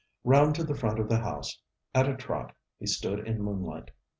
Round to the front of the house at a trot, he stood in moonlight.